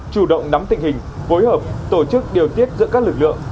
chủ động nắm tình hình phối hợp tổ chức điều tiết giữa các lực lượng